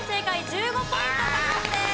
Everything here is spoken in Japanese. １５ポイント獲得です。